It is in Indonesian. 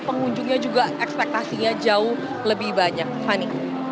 pengunjungnya juga ekspektasinya jauh lebih banyak fani